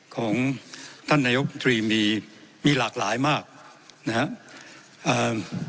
ของท่านนายกรรมตรีมีมีหลากหลายมากนะฮะอ่า